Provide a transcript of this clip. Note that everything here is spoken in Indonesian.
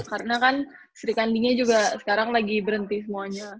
karena kan sri kandinya juga sekarang lagi berhenti semuanya